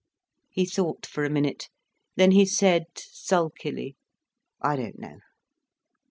He thought for a minute, then he said, sulkily: "I don't know."